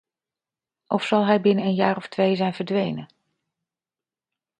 Of zal hij binnen een jaar of twee zijn verdwenen?